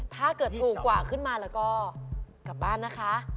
ถ้าเกิดถูกกว่าขึ้นมาแล้วก็กลับบ้านนะคะ